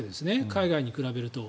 海外に比べると。